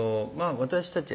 私たち